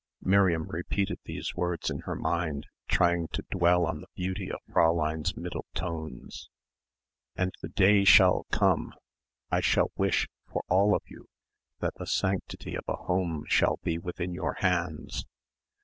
Miriam repeated these words in her mind trying to dwell on the beauty of Fräulein's middle tones. "And the day shall come, I shall wish, for all of you, that the sanctity of a home shall be within your hands.